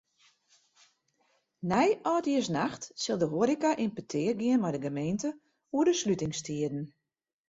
Nei âldjiersnacht sil de hoareka yn petear gean mei de gemeente oer de slutingstiden.